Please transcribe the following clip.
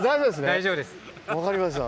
大丈夫です。